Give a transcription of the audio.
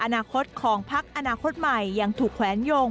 อนาคตของพักอนาคตใหม่ยังถูกแขวนโยง